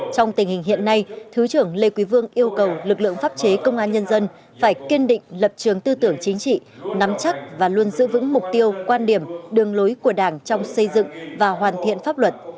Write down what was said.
công an nhân dân phải kiên định lập trường tư tưởng chính trị nắm chắc và luôn giữ vững mục tiêu quan điểm đường lối của đảng trong xây dựng và hoàn thiện pháp luật